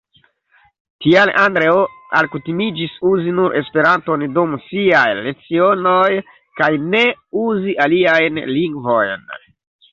Tial Andreo alkutimiĝis uzi nur Esperanton dum siaj lecionoj, kaj ne uzi aliajn lingvojn.